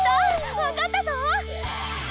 わかったぞ！